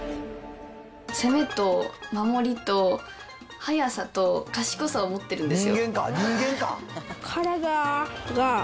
攻めと守りと、速さと賢さを持ってるんですよ。